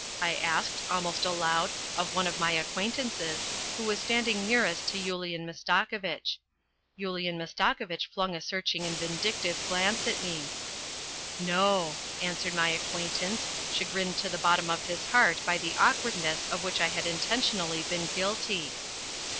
" I asked, almost aloud, of one of my acquaintances, who was standing nearest to Yulian Mastakovitch. Yulian Mastakovitch flung a searching and vindictive glance at me. " No !" answered my acquaintance, chagrined to the bottom of his heart by the awkwardness of which I had intentionally been guilty.